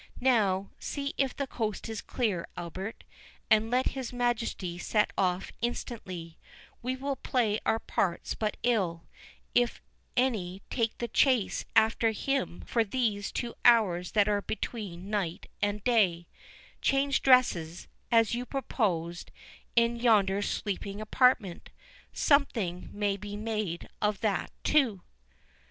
—Now, see if the coast is clear, Albert, and let his Majesty set off instantly—We will play our parts but ill, if any take the chase after him for these two hours that are between night and day—Change dresses, as you proposed, in yonder sleeping apartment—something may be made of that too."